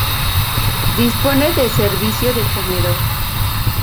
Dispone de servicio de comedor.